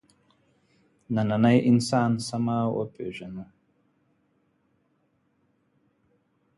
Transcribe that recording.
نننی انسان سمه وپېژنو.